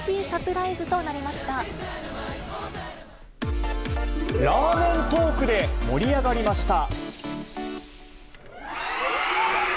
ラーメントークで盛り上がりました。